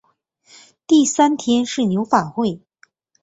第三天是牛法会。